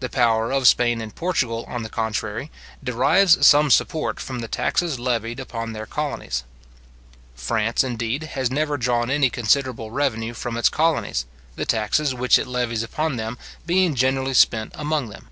The power of Spain and Portugal, on the contrary, derives some support from the taxes levied upon their colonies. France, indeed, has never drawn any considerable revenue from its colonies, the taxes which it levies upon them being generally spent among them.